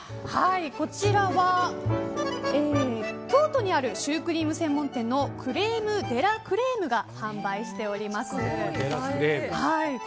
こちらは京都にあるシュークリーム専門店のクレームデラクレームが販売しております。